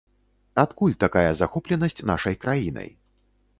Адкуль такая захопленасць нашай краінай?